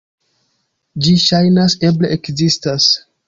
Ĝi ŝajnas eble ekzista.